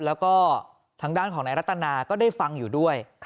แล้วก็ทางด้านของนายรัตนาก็ได้ฟังอยู่ด้วย